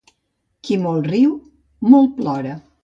Qui molt riu, molt plora.